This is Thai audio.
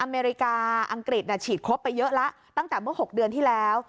อเมริกาอังกฤษฉีดครบไปเยอะแล้วตั้งแต่เมื่อ๖เดือนที่แล้ว